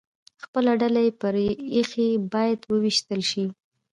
خپله ډله یې پرې ایښې، باید ووېشتل شي.